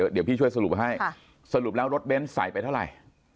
เดี๋ยวพี่ช่วยสรุปให้สรุปแล้วรถเบ้นใส่ไปเท่าไหร่